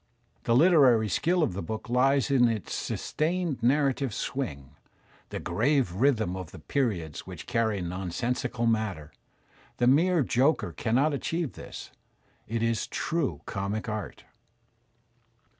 The Uterary skill of the book lies in its sustained narrative swing, the grave rhythm of the ^/ periods which carry nonsensical matter. The mere joker cannot achieve this; it is true comic art.